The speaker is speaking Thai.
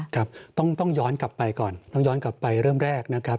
ครับต้องย้อนกลับไปก่อนต้องย้อนกลับไปเริ่มแรกนะครับ